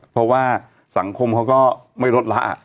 เพราะว่าสังคมเขาก็ไม่ลดละ